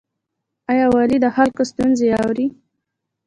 آیا والي د خلکو ستونزې اوري؟